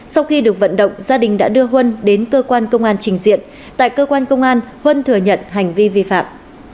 sau khi được vận động gia đình đã đưa huân đến cơ quan công an trình diện tại cơ quan công an huân thừa nhận hành vi vi phạm